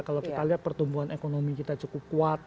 kalau kita lihat pertumbuhan ekonomi kita cukup kuat